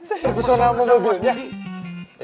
terpesona sama mobilnya